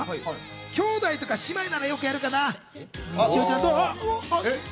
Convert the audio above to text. きょうだいとか姉妹ならよくやるかな。